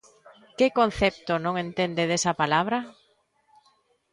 ¿Que concepto non entende desa palabra?